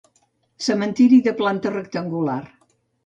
Cementiri de planta rectangular.